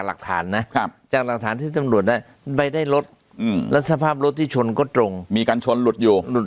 หลักฐานนะครับจากหลักฐานที่ตำรวจได้ไปได้รถแล้วสภาพรถที่ชนก็ตรงมีการชนหลุดอยู่หลุด